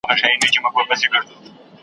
دا دریمه ده له درده چي تاویږي .